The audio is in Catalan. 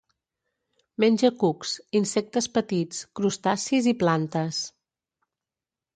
Menja cucs, insectes petits, crustacis i plantes.